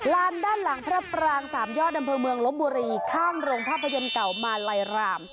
ด้านหลังพระปรางสามยอดอำเภอเมืองลบบุรีข้างโรงภาพยนตร์เก่ามาลัยราม